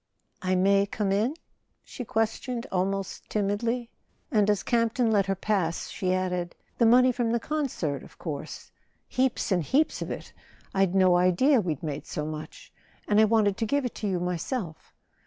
"I may come in?" she questioned, almost timidly; and as Campton let her pass she added: "The money from the concert, of course—heaps and heaps of it! I'd no idea we'd made so much. And I wanted to give it to you myself."